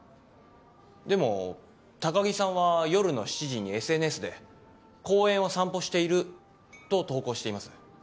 でも高城さんは夜の７時にＳＮＳで「公園を散歩している」と投稿しています。